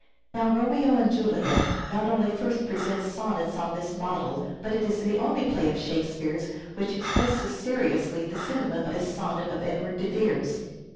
Now, " Romeo and Juliet," not only first presents sonnets on this model, but it is the only play of Shake speare's which expresses seriously the sentiment of this sonnet of Edward de Vere's.